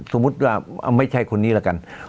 สมมุติว่าไม่ใช่คนนี้ละกัน